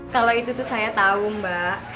kalau itu tuh saya tahu mbak